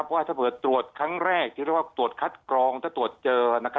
เพราะว่าถ้าเผื่อตรวจครั้งแรกที่เรียกว่าตรวจคัดกรองถ้าตรวจเจอ